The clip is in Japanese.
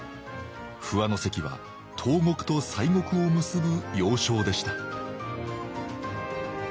不破関は東国と西国を結ぶ要衝でした